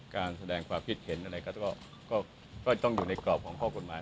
การแสดงความคิดเห็นอะไรก็ต้องอยู่ในกรอบของข้อกฎหมาย